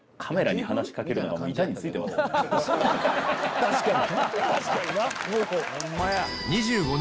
確かに。